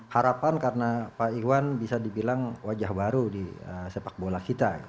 harapan karena pak iwan bisa dibilang wajah baru di sepak bola kita